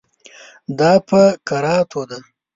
دا په کراتو ده.